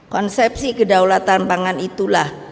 konsepsi kedaulatan pangan itulah